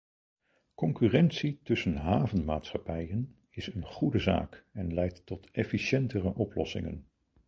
Concurrentie tussen havenmaatschappijen is een goede zaak en leidt tot efficiëntere oplossingen.